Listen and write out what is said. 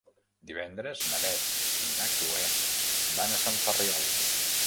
Divendres na Beth i na Chloé van a Sant Ferriol.